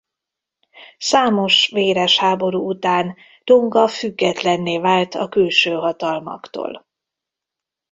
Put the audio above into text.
Számos véres háború után Tonga függetlenné vált a külső hatalmaktól.